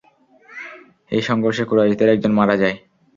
এই সংঘর্ষে কুরাইশদের একজন মারা যায়।